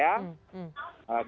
kita memang selama ini